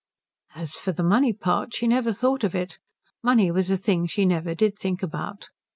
As for the money part, she never thought of it. Money was a thing she never did think about.